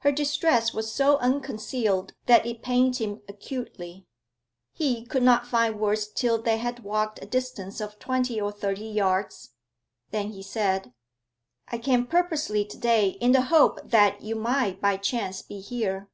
Her distress was so unconcealed that it pained him acutely. He could not find words till they had walked a distance of twenty or thirty yards. Then he said: 'I came purposely to day, in the hope that you might by chance be here.